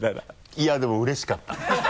いやでもうれしかった。